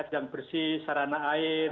yang bersih sarana air